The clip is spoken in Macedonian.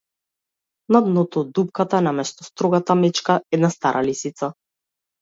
На дното од дупката, наместо строгата мечка - една стара лисица.